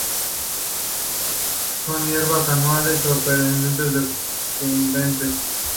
Son hierbas anuales o perennes decumbentes.